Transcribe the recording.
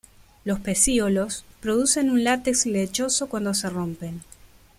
Los pecíolos producen un látex lechoso cuando se rompen.